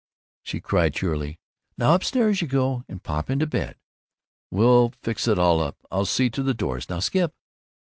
She cried cheerily, "Now up stairs you go, and pop into bed. We'll fix it all up. I'll see to the doors. Now skip!"